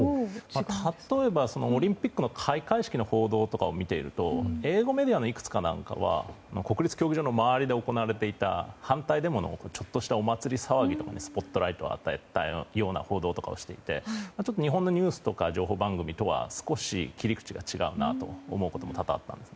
例えば、オリンピックの開会式の報道とかを見ていると英語メディアのいくつかなんかは国立競技場の周りで行われていた反対デモのちょっとしたお祭り騒ぎとかにスポットライトを当てたような報道をしていてちょっと日本のニュースとか情報番組とは少し切り口が違うなと思うことも多々あったんです。